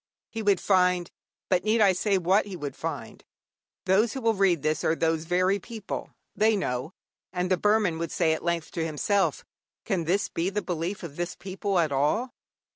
He would find But need I say what he would find? Those who will read this are those very people they know. And the Burman would say at length to himself, Can this be the belief of this people at all?